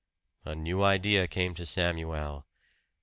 A new idea came to Samuel.